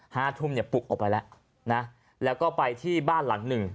ห้าทุ่มเนี่ยปลุกออกไปแล้วนะแล้วก็ไปที่บ้านหลังหนึ่ง